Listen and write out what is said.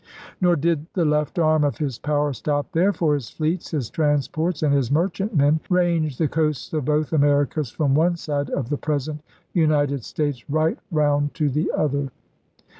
Nor did the left arm of his power stop there; for his fleets, his transports, and his merchantmen ranged the coasts of both Americas from one side of the present United States right round to the other.